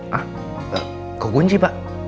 hah ke kunci pak